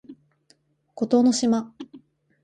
孤島の島